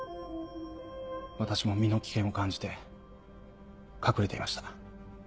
私も身の危険を感じて隠れていました。